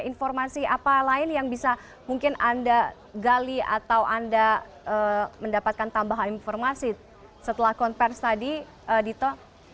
informasi apa lain yang bisa mungkin anda gali atau anda mendapatkan tambahan informasi setelah konversi tadi dito